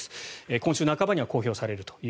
今週半ばには公表されると。